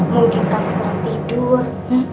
mungkin kamu kurang tidur